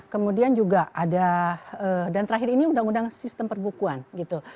kemudian juga ada dan terakhir ini undang undang sistem perbukuan gitu